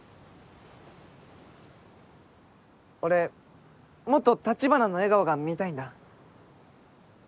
俺もっと橘の笑顔が見たいんだ。